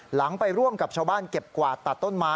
หลังไปร่วมกับชาวบ้านเก็บกวาดตัดต้นไม้